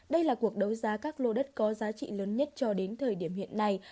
đây là cuộc đấu giá các lô đất có giá trị lớn nhất cho đến thời điểm hiện nay